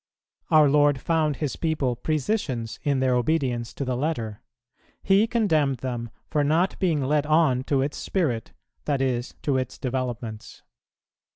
Our Lord found His people precisians in their obedience to the letter; He condemned them for not being led on to its spirit, that is, to its developments.